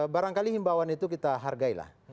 barangkali himbawan itu kita hargailah